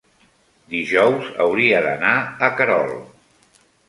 dijous hauria d'anar a Querol.